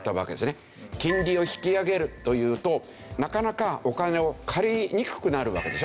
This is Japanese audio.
金利を引き上げるというとなかなかお金を借りにくくなるわけでしょ。